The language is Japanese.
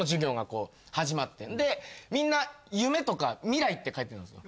始まってみんな「夢」とか「未来」って書いてるんです。